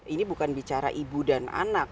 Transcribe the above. ini bukan bicara ibu dan anak